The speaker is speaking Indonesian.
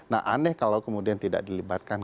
nah aneh kalau kemudian tidak dilibatkan